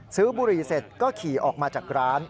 บุหรี่เสร็จก็ขี่ออกมาจากร้าน